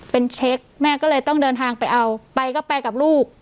เป็นเช็คแม่ก็เลยต้องเดินทางไปเอาไปก็ไปกับลูก